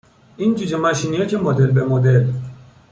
این جوجه ماشینیا که مدل به مدل